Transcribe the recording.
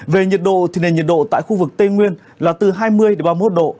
về nhiệt độ thì nền nhiệt độ tại khu vực tây nguyên là từ hai mươi ba mươi một độ